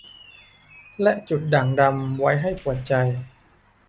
และจุดด่างดำไว้ให้ปวดใจ